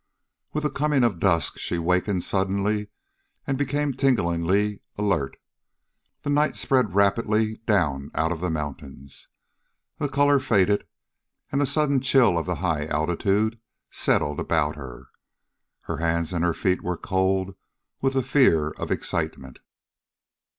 With the coming of dusk she wakened suddenly and became tinglingly alert. The night spread rapidly down out of the mountains. The color faded, and the sudden chill of the high altitude settled about her. Her hands and her feet were cold with the fear of excitement.